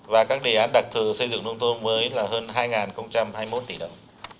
và các đề án đặc thù xây dựng nông thôn mới là hơn hai hai mươi một tỷ đồng